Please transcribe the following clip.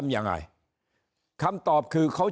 ถ้าท่านผู้ชมติดตามข่าวสาร